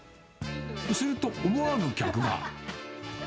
すると、思わぬ客が。